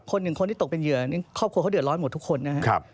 คนที่ตกเป็นเหยื่อนี่ครอบครัวเขาเดือดร้อนหมดทุกคนนะครับ